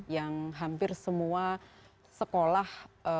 yang hampir semua sekolah